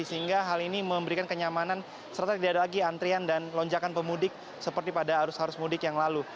sehingga hal ini memberikan kenyamanan serta tidak ada lagi antrian dan lonjakan pemudik seperti pada arus arus mudik yang lalu